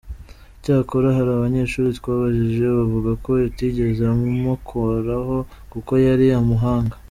Cyakora hari abanyeshuri twabajije bavuga ko atigeze amukoraho kuko yari umuhanga.